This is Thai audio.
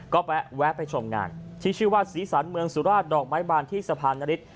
ก็แวะไปชมงานที่ชื่อว่าศรีสันเมืองสุราชดอกไม้บานที่สะพานนฤทธิ